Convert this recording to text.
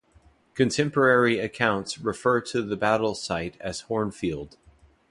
Contemporary accounts refer to the battle site as Hornfield.